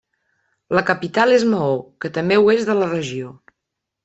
La capital és Mao que també ho és de la regió.